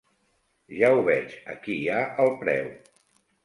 Ja ho veig: aquí hi ha el preu.